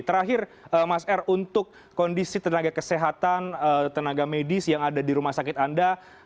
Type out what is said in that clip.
terakhir mas r untuk kondisi tenaga kesehatan tenaga medis yang ada di rumah sakit anda